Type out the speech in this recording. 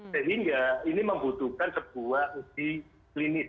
sehingga ini membutuhkan sebuah uji klinis